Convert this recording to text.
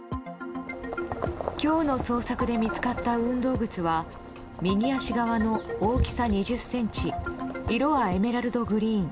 今日の捜索で見つかった運動靴は右足側の大きさ２０ｃｍ色はエメラルドグリーン。